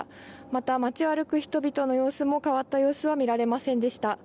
また町を歩く人々の様子も変わった様子は見られませんでした。